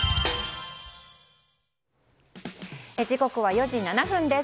時刻は４時７分です。